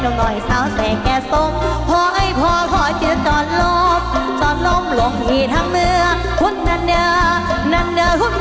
จงมากังว่าเลือดเกลือมยำลำหล่อ